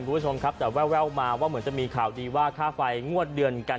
คุณผู้ชมครับแต่แววมาว่าเหมือนจะมีข่าวดีว่าค่าไฟงวดเดือนกัน